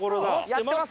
やってます？